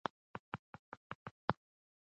رشوت اخیستل او ورکول لویه ګناه ده.